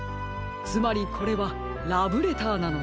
つまりこれはラブレターなのです。